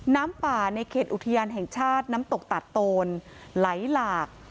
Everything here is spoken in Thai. น้ำป่าในเขตอุทยานแห่งชาติน้ำตกตาดโตนไหลหลาก